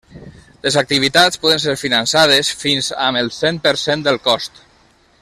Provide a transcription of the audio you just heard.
Les activitats poden ser finançades fins amb el cent per cent del cost.